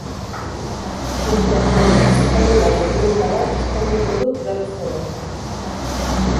Isiltasun eztanda dokumentala eskainiko du berriz ere.